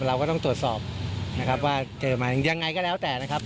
เราก็ต้องตรวจสอบนะครับว่าเจอไหมยังไงก็แล้วแต่นะครับ